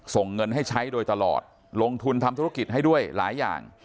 ส่งเงินให้ใช้โดยตลอดลงทุนทำธุรกิจให้ด้วยหลายอย่าง